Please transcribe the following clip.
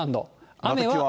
雨は。